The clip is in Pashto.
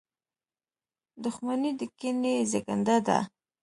• دښمني د کینې زېږنده ده.